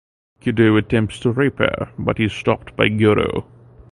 Kido attempts to rape her but is stopped by Goro.